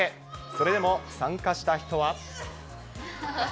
それでも参加した人は。